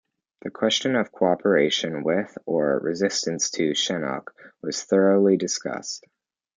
The question of cooperation with, or resistance to, Sihanouk was thoroughly discussed.